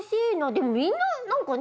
でもみんな何かね。